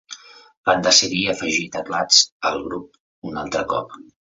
Van decidir afegir teclats a el grup un altre cop.